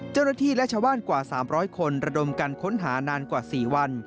เจ้าหน้าที่และชาวบ้านกว่า๓๐๐คนระดมกันค้นหานานกว่า๔วัน